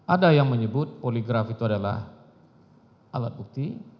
ada yang menyebut poligraf itu adalah alat bukti